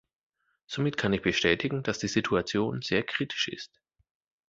Somit kann ich bestätigen, dass die Situation sehr kritisch ist.